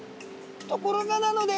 ところがなのです！